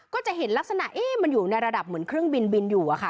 ก็จะเห็นลักษณะมันอยู่ในระดับเหมือนเครื่องบินบินอยู่อะค่ะ